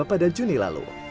pada juni lalu